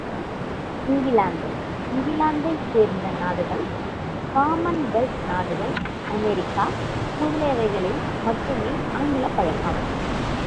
இங்கிலாந்து, இங்கிலாந்தைச் சேர்ந்த நாடுகள், காமன் வெல்த் நாடுகள் அமெரிக்கா முதலியவைகளில் மட்டுமே ஆங்கிலப் புழக்கம்!